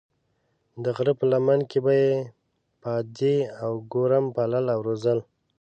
د غره په لمن کې به یې پادې او ګورم پالل او روزل.